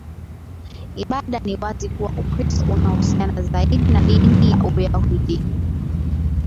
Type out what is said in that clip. ibada Ni wazi kuwa Ukristo unahusiana zaidi na dini ya Uyahudi